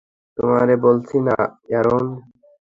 তোমাকে বলেছি না, অ্যারন?